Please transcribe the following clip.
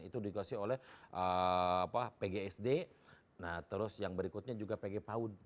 itu dikasih oleh pgsd nah terus yang berikutnya juga pg paud